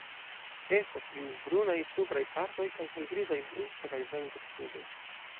Estas grizbrunaj supraj partoj kaj helgrizaj brusto kaj ventro sube.